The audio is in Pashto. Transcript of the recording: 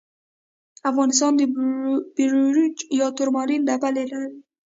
افغانستان د بیروج یا تورمالین ډبرې لري.